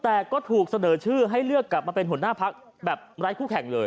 แต่ก็ถูกเสนอชื่อให้เลือกกลับมาเป็นหัวหน้าพักแบบไร้คู่แข่งเลย